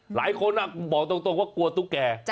หลายคนเหอะบอกตรงว่ากลัวตู้แก